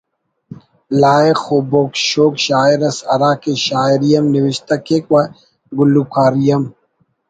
لائخ ءُ بوگ شوگ شاعر اس ہرا کہ شاعری ہم نوشتہ کیک و گلوکاری ہم